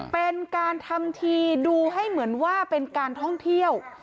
เป็นการทำทีดูให้เหมือนว่าเป็นการท่องเที่ยว